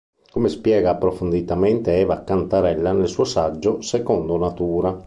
Come spiega approfonditamente Eva Cantarella nel suo saggio "Secondo natura.